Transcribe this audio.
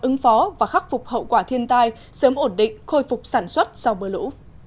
ứng phó và khắc phục hậu quả thiên tai sớm ổn định khôi phục sản xuất sau mưa lũ